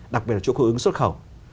đặc biệt là chuỗi cung ứng xuất khẩu